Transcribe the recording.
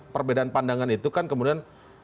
perbedaan pandangan itu kan kemudian